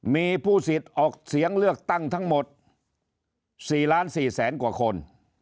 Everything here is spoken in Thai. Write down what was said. มีผู้สิทธิ์ออกเสียงเลือกตั้งทั้งหมดสี่ล้านสี่แสนกว่าคน